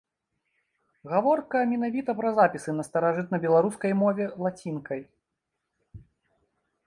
Гаворка менавіта пра запісы на старажытнабеларускай мове лацінкай.